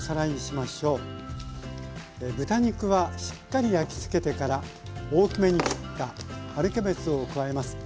豚肉はしっかり焼きつけてから大きめに切った春キャベツを加えます。